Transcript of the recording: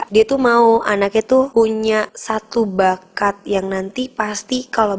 dia mau anaknya punya satu bakat yang nanti pasti kalau besarnya